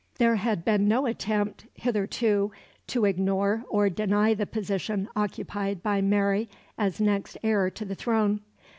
There had been no attempt hitherto to ignore or deny the position occupied by Mary as next heir to the throne.